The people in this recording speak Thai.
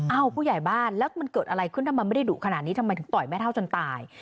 ผู้ใหญ่บ้านแล้วมันเกิดอะไรขึ้นทำไมไม่ได้ดุขนาดนี้ทำไมถึงต่อยแม่เท่าจนตาย